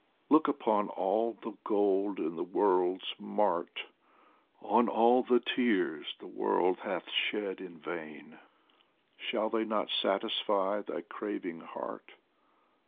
Look upon all the gold in the world's mart, On all the tears the world hath shed in vain ; Shall they not satisfy thy craving heart